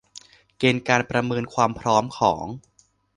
เกณฑ์การประเมินความพร้อมของ